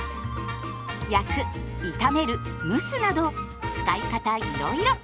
焼く炒める蒸すなど使い方いろいろ。